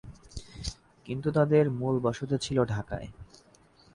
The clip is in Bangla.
কিন্তু তাদের মূল বসতি ছিল ঢাকায়।